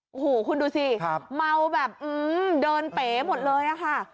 อูหูคุณดูสิเมาแบบเดินเป๊ะหมดเลยค่ะ